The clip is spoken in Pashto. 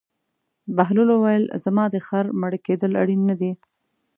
بهلول وویل: زما د خر مړه کېدل اړین نه دي.